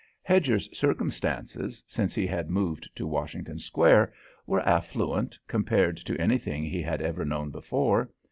Hedger's circumstances, since he had moved to Washington Square, were affluent compared to anything he had ever known before.